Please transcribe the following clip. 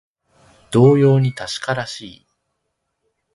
同様に確からしい